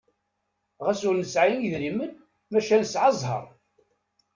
Ɣas ur nesɛi idrimen maca nesɛa zzheṛ!